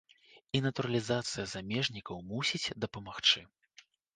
І натуралізацыя замежнікаў мусіць дапамагчы.